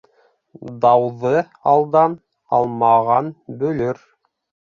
Дауҙы алдан алмаған бөлөр.